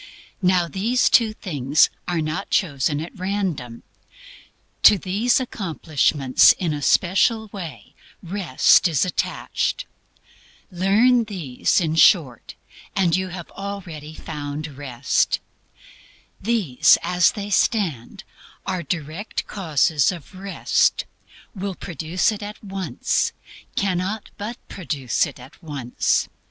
Now these two things are not chosen at random. To these accomplishments, in a special way, Rest is attached. Learn these, in short, and you have already found Rest. These as they stand are direct causes of Rest; will produce it at once; cannot but produce it at once.